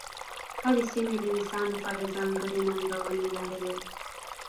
هرې سیمې د انسان لپاره ځانګړې ننګونې لرلې.